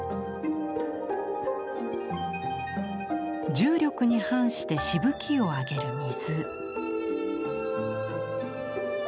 重力に反してしぶきを上げる水。